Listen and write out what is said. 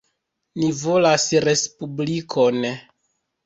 Ni volas respublikon.